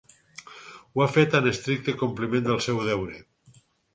Ho ha fet en estricte compliment del seu deure.